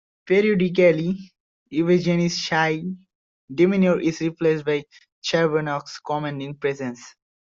Periodically Yvgenie's shy demeanor is replaced by Chernevog's commanding presence.